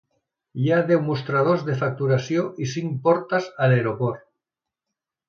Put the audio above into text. Hi ha deu mostradors de facturació i cinc portes a l"aeroport.